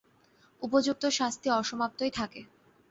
উপযুক্ত শাস্তি অসমাপ্তই থাকে।